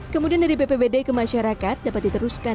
kemudian dari bpbd ke masyarakat dapat diteruskan